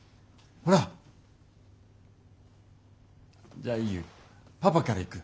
じゃあいいよパパからいく。